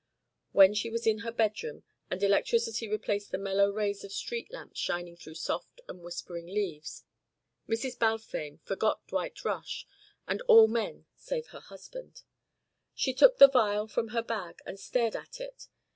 When she was in her bedroom and electricity replaced the mellow rays of street lamps shining through soft and whispering leaves, Mrs. Balfame forgot Dwight Rush and all men save her husband. She took the vial from her bag and stared at it.